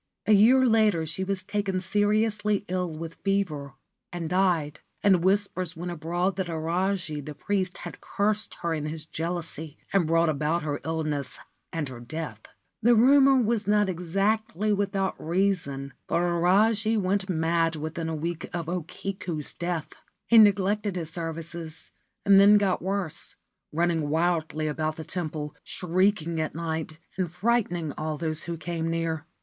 A year later she was taken seriously ill with fever and died, and 1 Chrysanthemum. 2I5 Ancient Tales and Folklore of Japan whispers went abroad that Ajari the priest had cursed her in his jealousy and brought about her illness and her death. The rumour was not exactly without reason, for Ajari went mad within a week of O Kiku's death. He neglected his services, and then got worse, running wildly about the temple, shrieking at night and frightening all those who came near.